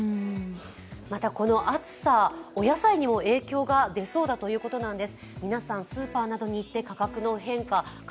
またこの暑さ、お野菜にも影響が出そうだということなんです。